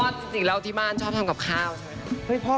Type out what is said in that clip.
ความจริงราวที่มั่นชอบทำกับข้าวใช่ไหมครับ